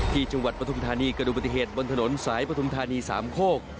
ที่จังหวัดปทุมธานีเกิดอุบัติเหตุบนถนนสายปทุมธานี๓โคก